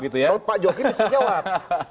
kalau pak jokowi bisa jawab